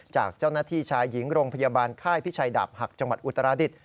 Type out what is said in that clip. จากเจ้าหน้าที่ชายหญิงโรงพยาบาลค่ายพิชัยดาบหักจังหวัดอุตราดิษฐ